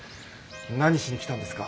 何しに来たんですか？